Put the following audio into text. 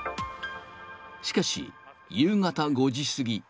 しかし、夕方５時過ぎ。